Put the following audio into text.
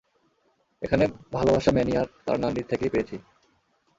এখানে ভালোবাসা ম্যানি আর তার নানীর থেকেই পেয়েছি।